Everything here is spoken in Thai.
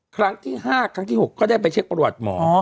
ครั้งที่๕ครั้งที่๖ก็ได้ไปเช็คประวัติหมอ